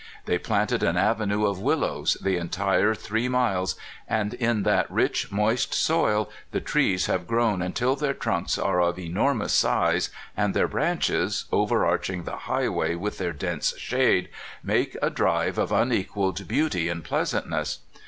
They planted an avenue of willows the entire three miles, and in that rich, moist soil the trees have grown until their trunks are of enormous size, and their branches, overarching the highway with their dense shade, make a drive of unequaled beauty and pleasantness.